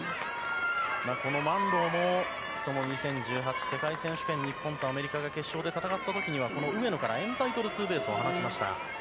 このマンローも２０１８世界選手権日本とアメリカが決勝で戦った時には上野からエンタイトルツーベースを放ちました。